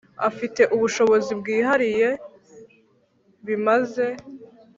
Afite ubushobozi bwihariye bimaze